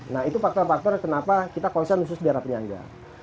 nah itu faktor faktor kenapa kita konsen khusus daerah penyangga